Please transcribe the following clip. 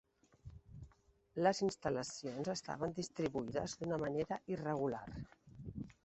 Les instal·lacions estaven distribuïdes d'una manera irregular.